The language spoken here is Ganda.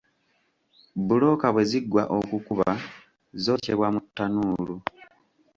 Bbulooka bwe ziggwa okukuba zookyebwa mu ttanuulu.